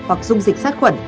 hoặc dung dịch sát khuẩn